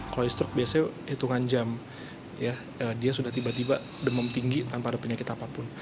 kalau stroke biasanya hitungan jam dia sudah tiba tiba demam tinggi tanpa ada penyakit apapun